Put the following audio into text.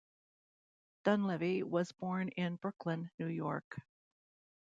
Dunleavy was born in Brooklyn, New York.